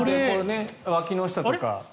わきの下とか。